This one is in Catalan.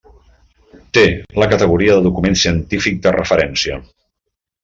Té la categoria de document científic de referència.